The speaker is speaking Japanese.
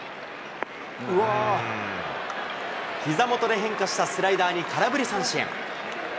ひざ元で変化したスライダーに空振り三振。